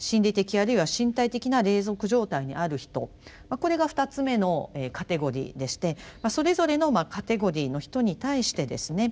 これが２つ目のカテゴリーでしてそれぞれのカテゴリーの人に対してですね